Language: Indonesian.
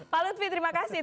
pak lutfi terima kasih